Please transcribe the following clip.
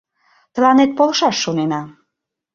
Тыланет полшаш шонена.